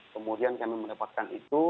kemudian kami mendapatkan itu